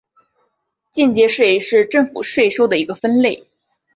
间接税是政府税收的一个分类。